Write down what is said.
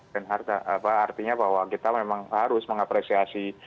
dan artinya bahwa kita memang harus mengapresiasi